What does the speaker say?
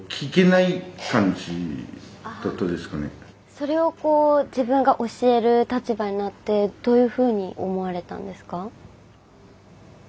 それを自分が教える立場になってどういうふうに思われたんですか？